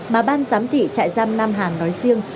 mà ban giám thị trại giam nam hà nói riêng